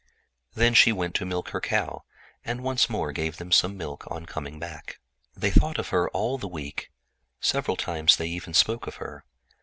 Then she went to milk her cow, and once more gave them some milk on coming back. They thought of her all the week; several times they even spoke of her.